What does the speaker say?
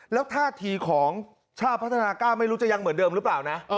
แล้วท่าทีของชาติพัฒนากล้าไม่รู้จะยังเหมือนเดิมหรือเปล่านะ